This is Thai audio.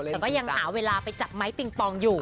แต่ก็ยังหาเวลาไปจับไม้ปิงปองอยู่